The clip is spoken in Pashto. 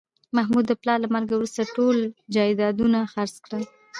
محمود د پلار له مرګه وروسته ټول جایدادونه خرڅ کړل